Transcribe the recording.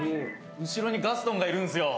後ろにガストンがいるんすよ。